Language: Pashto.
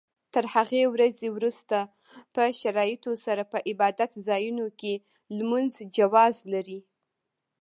تر هغې ورځې وروسته په شرایطو سره په عبادت ځایونو کې لمونځ جواز لري.